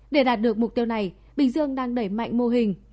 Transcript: để đạt được mục tiêu này bình dương đang đẩy mạnh mô hình